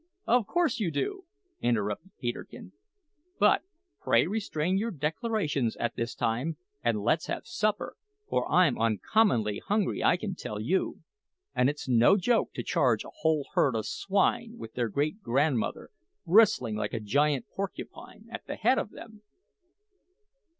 "Of course you do," interrupted Peterkin; "but, pray, restrain your declarations at this time, and let's have supper for I'm uncommonly hungry, I can tell you. And it's no joke to charge a whole herd of swine with their great grandmother bristling like a giant porcupine, at the head of them!"